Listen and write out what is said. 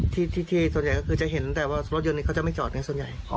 ที่ส่วนใหญ่ก็คือจะเห็นแต่ว่ารถยนต์เขาจะไม่จอดไงส่วนใหญ่